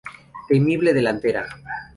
Temible delantera.